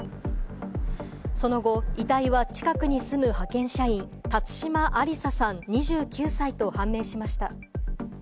その後、遺体は近くに住む派遣社員・辰島ありささん、２９歳と判明しました。